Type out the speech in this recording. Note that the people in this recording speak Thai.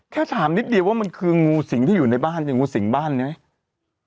แค่ถามนิดเดียวว่ามันคืองูสิงที่อยู่ในบ้านอย่างงูสิงบ้านไหม